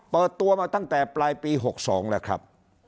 เปิดตัวมาตั้งแต่ปลายปี๖๒แล้วครับ